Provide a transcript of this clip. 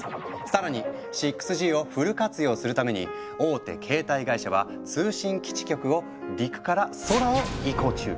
さらに６Ｇをフル活用するために大手携帯会社は通信基地局を陸から空を移行中。